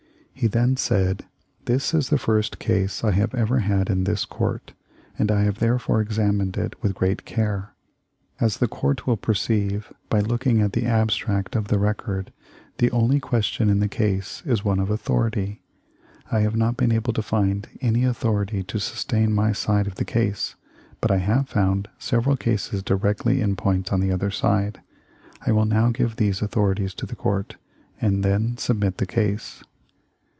He then said : 'This is the first case I have ever had in this court, and I have therefore examined it with great care. As the Court will perceive by looking at the abstract of the record, the only ques tion in the case is one of authority. I have not been able to find any authority to sustain my side of the case, but I have found several cases directly in point on the other side. I will now give these authorities to the court, and then submit the case."